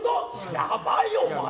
やばいよお前。